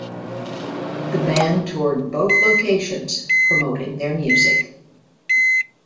The band toured both locations promoting their music.